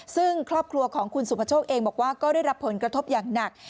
ซึ่งครอบครัวของคุณสุภโชคเองบอกว่าก็ได้รับผลกระทบอย่างหนัก